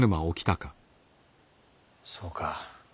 そうか。